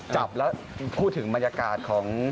จับแล้วพูดถึงบรรยากาศของ